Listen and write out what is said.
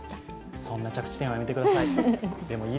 そんな着地点やめてください。